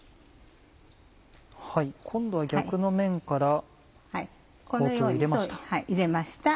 今度は逆の面から包丁を入れました。